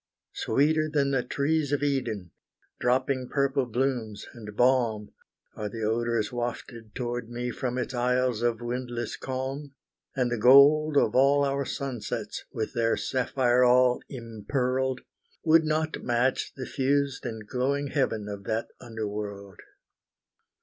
Sweeter than the trees of Eden, dropping purple blooms, and balm, Are the odors wafted toward me from its isles of windless calm, And the gold of all our sunsets, with their sapphire all impearled, Would not match the fused and glowing heaven of that under world.